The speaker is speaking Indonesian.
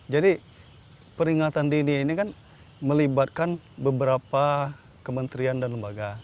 jadi peringatan dini ini kan melibatkan beberapa kementerian dan lembaga